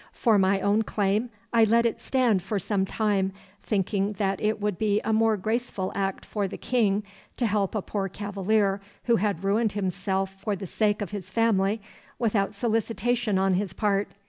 For my own claim, I let it stand for some time, thinking that it would be a more graceful act for the King to help a poor cavalier who had ruined himself for the sake of his family without solicitation on his part.